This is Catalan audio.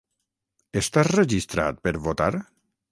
Estàs registrat per votar?